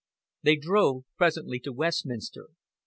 They drove presently to Westminster.